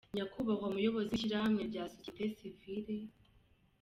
Nyakubahwa Muyobozi w’Ishyirahamwe rya Société Civile,